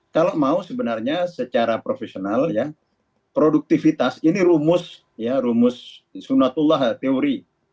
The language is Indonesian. kalau mau sebenarnya secara profesional ya produktivitas ini rumus ya rumus sunatullah teori